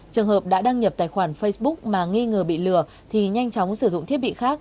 trường hợp đã đăng nhập tài khoản facebook mà nghi ngờ bị lừa thì nhanh chóng sử dụng thiết bị khác